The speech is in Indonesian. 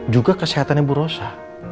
juga kesehatan ibu rosa